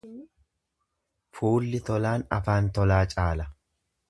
Fuulli tolaan afaan tolaa caala.